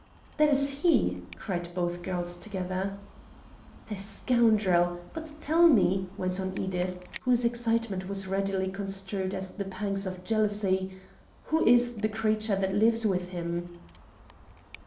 "That is he!" cried both girls together. "The scoundrel! But tell me," went on Edith, whose excitement was readily construed as the pangs of jealousy, "who is the creature that lives with him?"